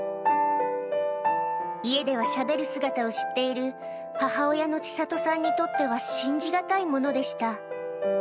家ではしゃべる姿を知っている母親の千里さんにとっては、信じ難いものでした。